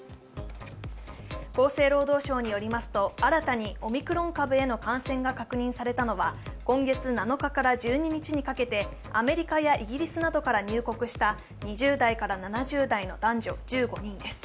厚生労働省によりますと新たにオミクロン株への感染が確認されたのは今月７日から１２日にかけてアメリカからイギリスなどから入国した２０代から７０代の男女１５人です。